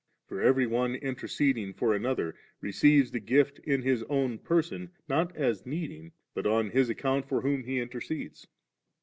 For every one interceding for another, receives the gift in his own person, not as needing, but on his account for whom he intercedes.